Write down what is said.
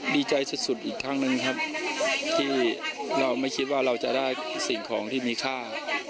ดีใจสุดอีกครั้งหนึ่งครับที่เราไม่คิดว่าเราจะได้สิ่งของที่มีค่า